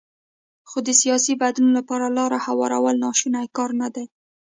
خو د سیاسي بدلون لپاره لاره هوارول ناشونی کار نه دی.